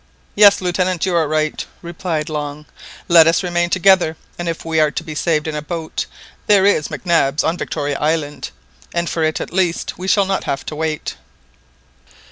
"Yes, Lieutenant, you are right," replied Long; "let us remain together, and if we are to be saved in a boat, there is Mac Nab's on Victoria Island, and for it at least we shall not have to wait!"